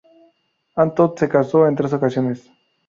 Ann Todd se casó en tres ocasiones.